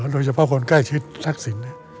โดยเฉพาะคนใกล้ชิดทักษิณ